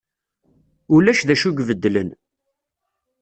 Ulac d acu i ibeddlen.